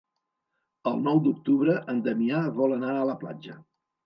El nou d'octubre en Damià vol anar a la platja.